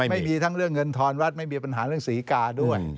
ไม่มีทั้งเรื่องเงินทอนวัดไม่มีปัญหาเรื่องศรีกาด้วย